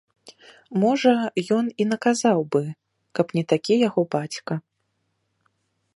Можа, ён і наказаў бы, каб не такі яго бацька.